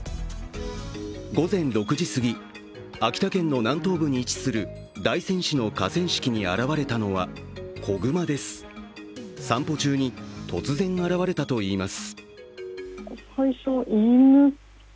午前６時すぎ、秋田県の南東部に位置する大仙市の河川敷に現れたのは子熊です、散歩中に突然現れたといいます。